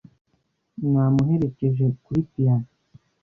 Namuherekeje kuri piyano.